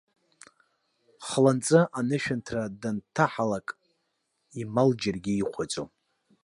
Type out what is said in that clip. Хланҵы анышәынҭра данҭаҳалак, имал џьаргьы ихәаӡом.